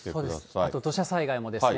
あと土砂災害もですね。